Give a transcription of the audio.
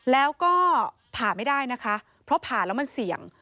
แล้วก็ผ่าไม่ได้นะคะเพราะผ่าแล้วมันเสี่ยง